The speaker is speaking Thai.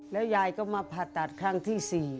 แล้วยายก็มาผ่าตัดครั้งที่๔